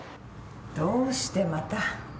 どうしてまた。